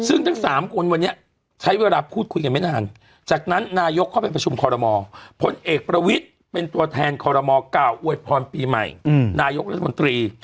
ซึ่งทั้ง๓คนวันนี้ใช้เวลาพูดคุยกันไม่นานจากนั้นนายกเข้าไปประชุมคอรมอพลเอกประวิทย์เป็นตัวแทนคอรมอกล่าวอวยพรปีใหม่นายกรัฐมนตรี